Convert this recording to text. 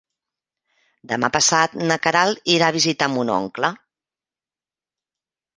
Demà passat na Queralt irà a visitar mon oncle.